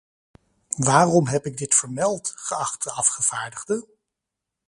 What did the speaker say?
Waarom heb ik dit vermeld, geachte afgevaardigde?